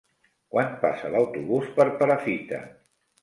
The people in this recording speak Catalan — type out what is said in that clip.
Quan passa l'autobús per Perafita?